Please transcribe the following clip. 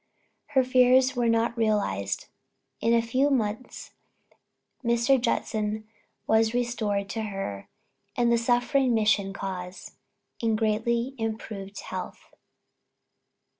Her fears were not realized; in a few months Mr. Judson was restored to her and the suffering mission cause in greatly improved health.